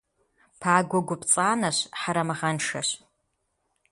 Пагуэ гу пцӏанэщ, хьэрэмыгъэншэщ.